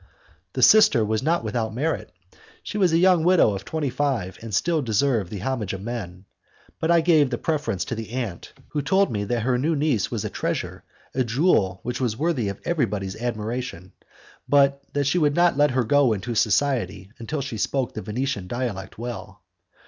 The sister was not without merit. She was a young widow of twenty five, and still deserved the homage of men, but I gave the preference to the aunt, who told me that her new niece was a treasure, a jewel which was worthy of everybody's admiration, but that she would not let her go into society until she could speak the Venetian dialect well.